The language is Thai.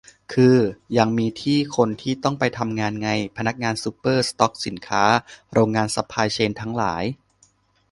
คือยังมีคนที่ต้องไปทำงานไง พนักงานซูเปอร์ สต็อกสินค้า โรงงาน ซัพพลายเชนทั้งหลาย